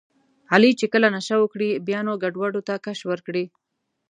علي چې کله نشه وکړي بیا نو ګډوډو ته کش ورکړي.